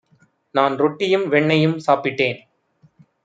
நான் ரொட்டியும் வெண்ணையும் சாப்பிட்டேன்.